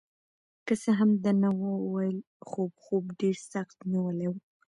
که څه هم ده نه وویل خو خوب ډېر سخت نیولی و.